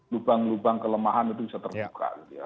lubang lubang kelemahan itu bisa terbuka gitu ya